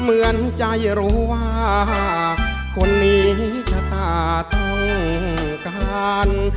เหมือนใจรู้ว่าคนนี้ชะตาต้องการ